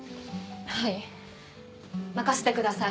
はい任せてください。